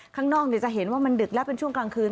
ข้างนอกจะเห็นว่ามันดึกแล้วเป็นช่วงกลางคืน